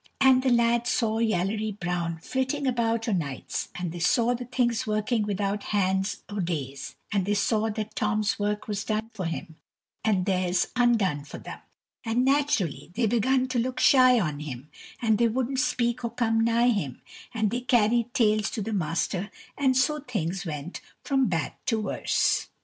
And the lads saw Yallery Brown flitting about o' nights, and they saw the things working without hands o' days, and they saw that Tom's work was done for him, and theirs undone for them; and naturally they begun to look shy on him, and they wouldn't speak or come nigh him, and they carried tales to the master and so things went from bad to worse.